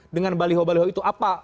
dengan baliho baliho itu